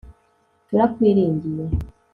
Turakwiringiye